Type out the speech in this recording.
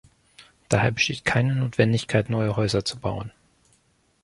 Daher besteht keine Notwendigkeit, neue Häuser zu bauen.